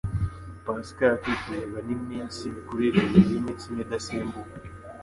Pasika yakurikirwaga n'iminsi mikuru irindwi y'imitsima idasembuwe.